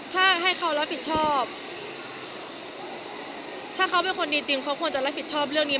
ถ้าให้เขารับผิดชอบถ้าเขาเป็นคนดีจริงเขาควรจะรับผิดชอบเรื่องนี้